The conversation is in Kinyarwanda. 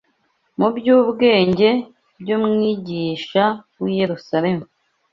mu by’ubwenge by’umwigisha w’i Yerusalemu